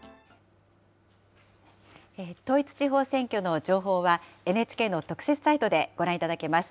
統一地方選挙の情報はＮＨＫの特設サイトでご覧いただけます。